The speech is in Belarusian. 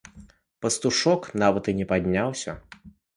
Пастушок нават і не падняўся.